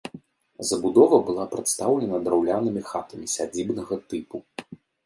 Забудова была прадстаўлена драўлянымі хатамі сядзібнага тыпу.